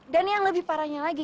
dan yang lebih parahnya lagi